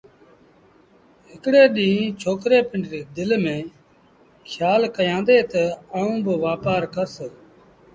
هڪڙي ڏيݩهݩ ڇوڪري پنڊريٚ دل ميݩ کيآل ڪيآݩدي تا آئوݩ با وآپآر ڪرس